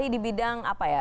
di bidang apa ya